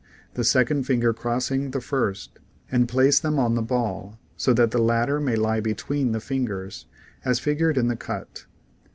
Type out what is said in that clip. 22, the second finger crossing the first, and place them on the ball, so that the latter may lie between the fingers, Fig. 22. as figured in the cut.